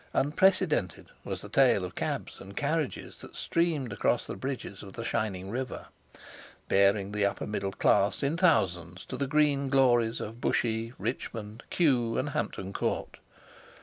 Unprecedented was the tale of cabs and carriages that streamed across the bridges of the shining river, bearing the upper middle class in thousands to the green glories of Bushey, Richmond, Kew, and Hampton Court.